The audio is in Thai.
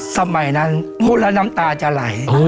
สมัยนั้นพูดแล้วน้ำตาจะไหล